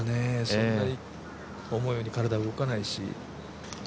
そんなに思うように体動かないし。